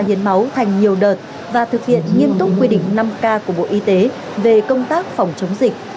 hiến máu thành nhiều đợt và thực hiện nghiêm túc quy định năm k của bộ y tế về công tác phòng chống dịch